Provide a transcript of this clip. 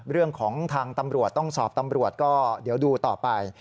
เรื่องของทางตำรวจต้องสอบตำรวจก็เดี๋ยวดูต่อไป